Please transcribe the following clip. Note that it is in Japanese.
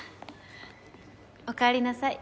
おかえりなさい。